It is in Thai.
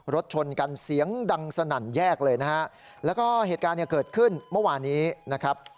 รถชนกันเสียงดังสนั่นแยกเลยนะฮะแล้วก็เหตุการณ์เนี่ยเกิดขึ้นเมื่อวานนี้นะครับ